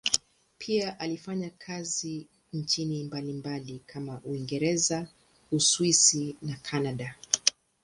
Pia alifanya kazi nchini mbalimbali kama Uingereza, Uswisi na Kanada.